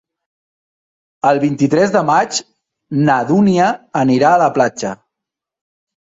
El vint-i-tres de maig na Dúnia anirà a la platja.